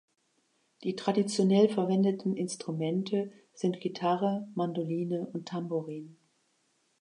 Die traditionell verwendeten Instrumente sind Gitarre, Mandoline und Tamburin.